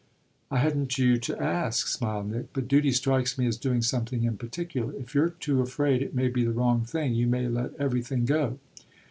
"I hadn't you to ask," smiled Nick. "But duty strikes me as doing something in particular. If you're too afraid it may be the wrong thing you may let everything go."